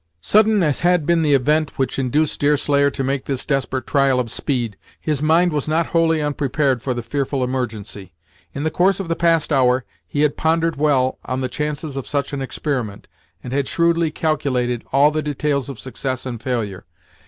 Sudden as had been the event which induced Deerslayer to make this desperate trial of speed, his mind was not wholly unprepared for the fearful emergency. In the course of the past hour, he had pondered well on the chances of such an experiment, and had shrewdly calculated all the details of success and failure.